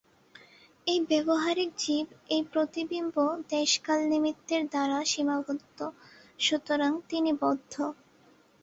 এই ব্যাবহারিক জীব, এই প্রতিবিম্ব দেশকালনিমিত্তের দ্বারা সীমাবদ্ধ, সুতরাং তিনি বদ্ধ।